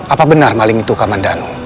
apa benar maling itu kak mandano